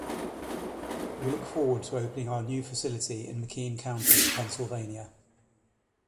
"We look forward to opening our new facility in McKean County, Pennsylvania."